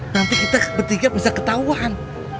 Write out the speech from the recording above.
nanti kita bertiga bisa ketahuan